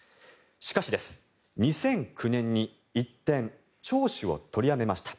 しかし、２００９年に一転聴取を取りやめました。